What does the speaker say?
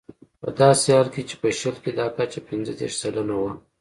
په داسې حال کې چې په شل کې دا کچه پنځه دېرش سلنه وه.